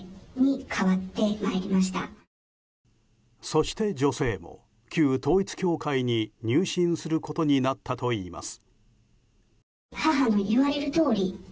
そして、女性も旧統一教会に入信することになったといいます。